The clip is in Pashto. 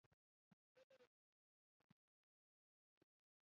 وېرېدل چې ټولنې نظم ګډوډ کړي.